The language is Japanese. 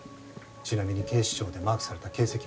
ちなみに警視庁でマークされた形跡はありません。